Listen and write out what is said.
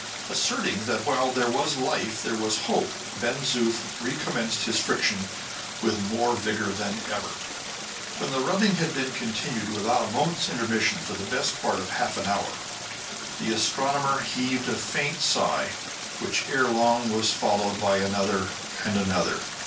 Asserting that while there was life there was hope, Ben Zoof recommenced his friction with more vigor than ever. When the rubbing had been continued without a moment's intermission for the best part of half an hour, the astronomer heaved a faint sigh, which ere long was followed by another and another.